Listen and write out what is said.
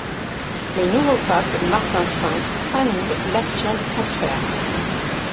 Le nouveau pape Martin V annule l'action de transfert.